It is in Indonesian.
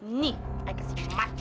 ini saya kasih empat juta